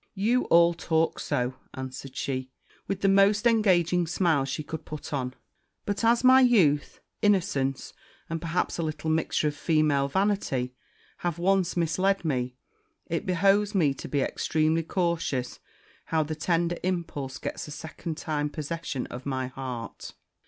'You all talk so,' answered she, with the most engaging smile she could put on: 'but as my youth innocence and, perhaps, a little mixture of female vanity have once misled me, it behoves me to be extremely cautious how the tender impulse gets a second time possession of my heart.'